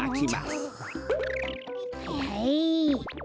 はいはい。